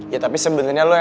ya tapi sebenernya lo emangnya